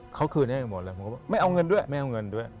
เขาคืนให้หมดเลยไม่เอาเงินด้วย